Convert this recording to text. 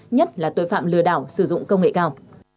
nhất là tội phạm lừa đảo sử dụng công nghệ cao